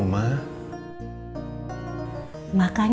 belum ada kau